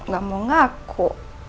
gak mau ngaku